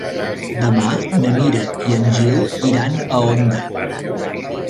Demà na Mira i en Gil iran a Onda.